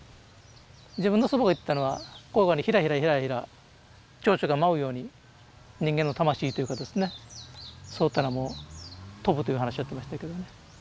自分の祖母が言ってたのはこういうふうにひらひらひらひら蝶々が舞うように人間の魂というかですねそういったのも飛ぶという話をやってましたけどね。